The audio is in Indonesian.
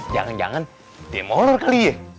jangan jangan dia molor kali ya